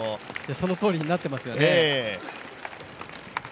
そのとおりになってますね。